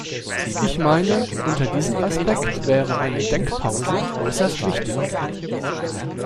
Ich meine, unter diesem Aspekt wäre eine Denkpause äußerst wichtig.